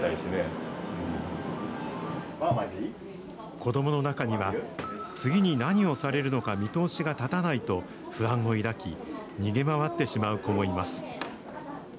子どもの中には、次に何をされるのか見通しが立たないと、不安を抱き、逃げ回ってしまう子もいます。